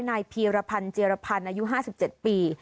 นายพีรพันธ์เจียรพันธ์อายุ๕๗ปี